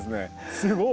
すごい。